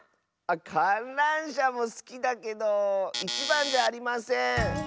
かんらんしゃもすきだけどいちばんではありません。え。